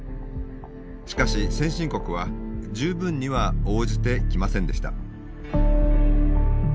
しかし先進国は十分には応じてきませんでした。